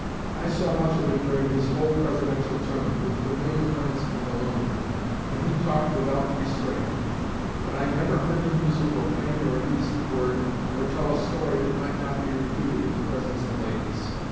I saw much of him during his whole Presidential term, with familiar friends and alone, when he talked without restraint; but I never heard him use a profane or indecent word, or tell a story that might not be repeated in the presence of ladies."